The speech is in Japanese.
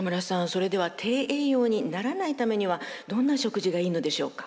それでは低栄養にならないためにはどんな食事がいいのでしょうか？